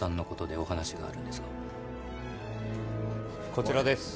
「こちらです」